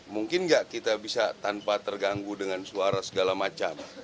mungkin nggak kita bisa tanpa terganggu dengan suara segala macam